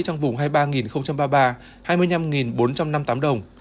trong vùng hai mươi ba ba mươi ba hai mươi năm bốn trăm năm mươi tám đồng